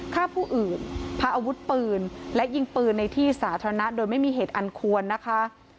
ฆ่าผู้อื่นพาอาวุธปืนและยิงปืนในที่สาธารณะโดยไม่มีเหตุอันควรนะคะ